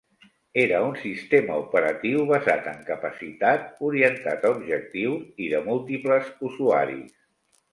Era un sistema operatiu basat en capacitat, orientat a objectius i de múltiples usuaris.